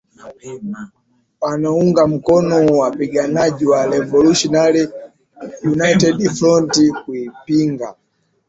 wanaunga mkono wapiganaji wa Revolutionary United Front kuipinga